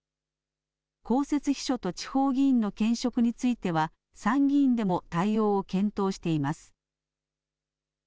公設秘書と地方議員の兼職については参議院でも対応を検討しています。